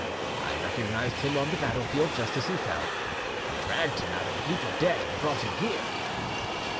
I recognised him on the battle field just as he fell; I dragged him out of a heap of dead, and brought him here."